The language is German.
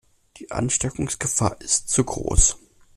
Die Ansteckungsgefahr ist zu groß.